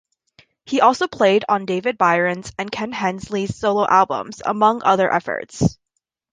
He also played on David Byron's and Ken Hensley's solo albums, among other efforts.